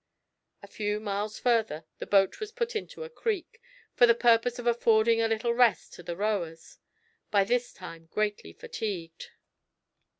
A few miles further, the boat was put into a creek, for the purpose of affording a little rest to the rowers, by this time greatly fatigued.